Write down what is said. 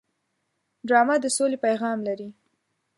ډرامه د سولې پیغام لري